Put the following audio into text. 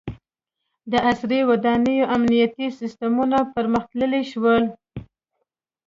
• د عصري ودانیو امنیتي سیستمونه پرمختللي شول.